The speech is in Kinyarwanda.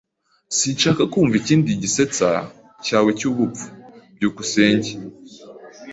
Sinshaka kumva ikindi gisetsa cyawe cyubupfu. byukusenge